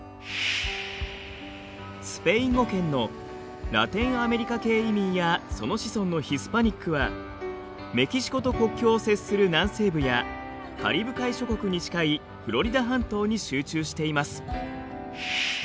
スペイン語圏のラテンアメリカ系移民やその子孫のヒスパニックはメキシコと国境を接する南西部やカリブ海諸国に近いフロリダ半島に集中しています。